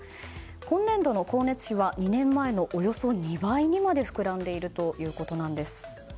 今年度の光熱費は２年前のおよそ２倍にまで膨らんでいるということなんです。